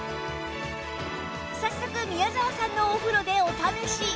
早速宮澤さんのお風呂でお試し